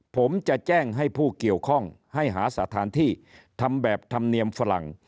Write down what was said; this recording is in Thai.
ผมจะแจ้งให้ผู้เกี่ยวข้องให้หาสถานที่ทำแบบธรรมเนียมฝรั่ง